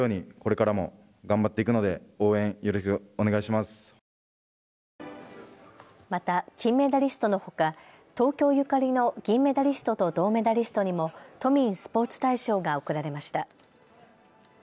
また金メダリストのほか東京ゆかりの銀メダリストと銅メダリストにも都民スポーツ大賞が贈られました。